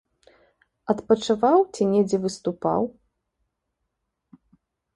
Адпачываў ці недзе выступаў?